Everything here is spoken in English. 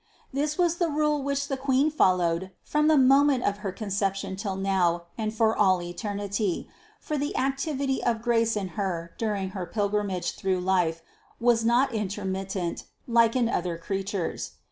This was the rule which the Queen followed from the moment of her Conception till now and for all eternity ; for the activity of grace in Her during Her pil grimage through life was not intermittent, like in other creatures.